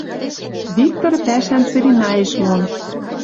Виктор пӓшӓм целинаэш мон.